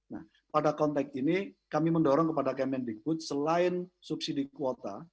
nah pada konteks ini kami mendorong kepada kemendikbud selain subsidi kuota